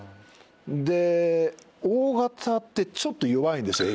でＯ型ってちょっと弱いんですよ